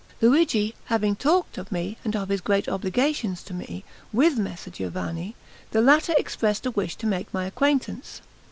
Luigi having talked of me, and of his great obligations to me, with Messer Giovanni, the latter expressed a wish to make my acquaintance.